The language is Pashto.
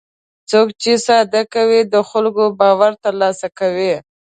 څوک چې صادق وي، د خلکو باور ترلاسه کوي.